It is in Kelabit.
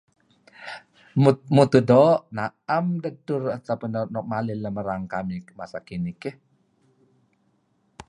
Mutuh doo' na'em dedtur atau pun nuk malih lem erang kamih masa kinih keh.